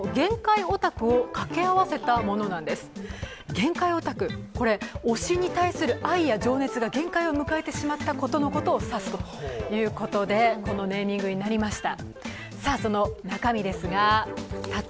限界オタク、推しに対する愛が限界を迎えてしまったことを指すということでこのネーミングになりました。